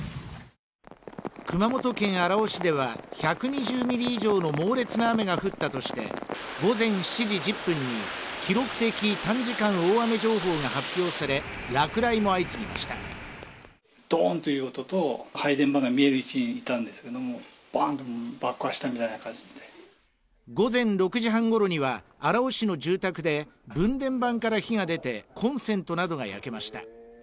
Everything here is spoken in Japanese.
熊本県荒尾市では１２０ミリ以上の猛烈な雨が降ったとして午前７時１０分に記録的短時間大雨情報が発表され落雷も相次ぎました午前６時半ごろには荒尾市の住宅で分電盤から火が出てコンセントなどが焼けました